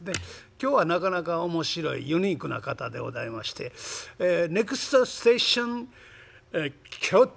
今日はなかなか面白いユニークな方でございまして「ネクストステーションえキョウト。